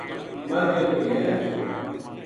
مدھ کے کوئے ہے